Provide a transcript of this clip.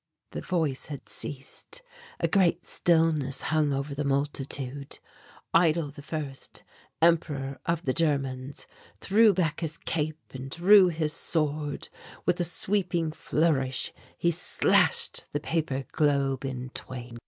The voice had ceased. A great stillness hung over the multitude. Eitel I, Emperor of the Germans, threw back his cape and drew his sword. With a sweeping flourish he slashed the paper globe in twain.